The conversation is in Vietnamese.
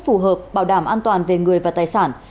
phù hợp bảo đảm an toàn về người và tài sản